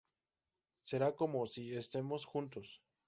Será como si estemos juntos.